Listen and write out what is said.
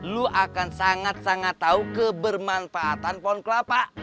lu akan sangat sangat tahu kebermanfaatan pohon kelapa